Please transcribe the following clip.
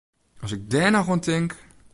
As ik dêr noch oan tink!